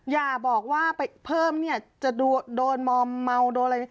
อย่าบอกว่าไปเพิ่มเนี่ยจะโดนมอมเมาโดนอะไร